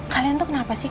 kalian tuh kenapa sih